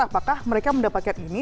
apakah mereka mendapatkan ini